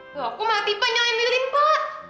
loh kok mati banyak yang milih pak